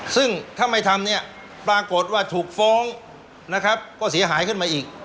ซึ่งถ้าไม่ทำเนี่ยปรากฏว่าถูกฟ้องนะครับก็เสียหายขึ้นมาอีก